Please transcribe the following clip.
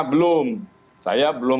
belum saya belum